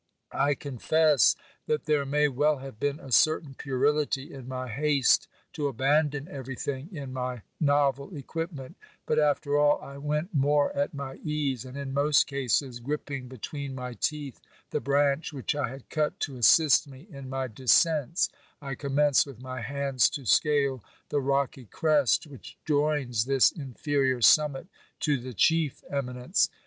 I confess that there may well have been a certain puerility in my haste to abandon everything in my novel equipment ; but after all, I went more at my ease, and in most cases gripping between my teeth the branch which I had cut to assist me in my descents, I commenced with my hands to scale the rocky crest which joins this inferior summit to the chief eminence.